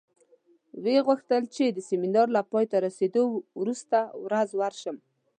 ویې غوښتل چې د سیمینار له پای ته رسېدو وروسته ورځ ورشم.